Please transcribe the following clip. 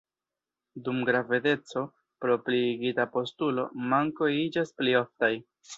Dum gravedeco, pro pliigita postulo, mankoj iĝas pli oftaj.